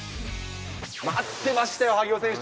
待ってましたよ、萩尾選手。